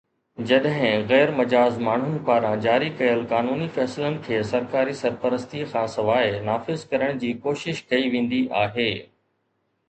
جڏهن غير مجاز ماڻهن پاران جاري ڪيل قانوني فيصلن کي سرڪاري سرپرستي کانسواءِ نافذ ڪرڻ جي ڪوشش ڪئي ويندي آهي